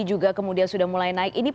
juga kemudian sudah mulai naik ini